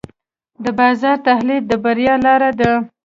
د بازار تحلیل د بریا لاره ده.